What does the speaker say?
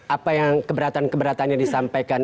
apa yang keberatan keberatan yang disampaikan